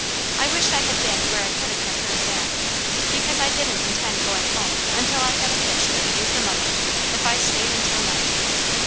I wished I had been where I couldn't have heard that, because I didn't intend going home until I had a fish that would do for mother if I stayed until night.